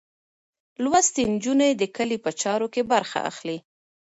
لوستې نجونې د کلي په چارو کې برخه اخلي.